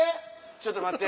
ちょっと待って。